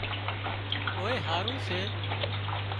ڪوئي هاۯيون سي